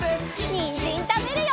にんじんたべるよ！